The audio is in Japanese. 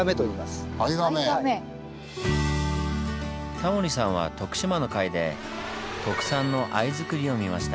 タモリさんは徳島の回で特産の「藍作り」を見ました。